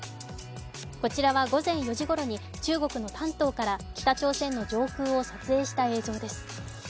こちらは午前４時ごろに中国の丹東から北朝鮮の上空を撮影した映像です。